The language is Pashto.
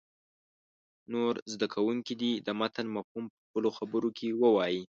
نور زده کوونکي دې د متن مفهوم په خپلو خبرو کې ووایي.